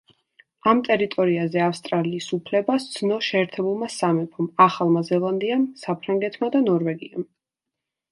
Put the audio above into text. ამ ტერიტორიაზე ავსტრალიის უფლება სცნო შეერთებულმა სამეფომ, ახალმა ზელანდიამ, საფრანგეთმა და ნორვეგიამ.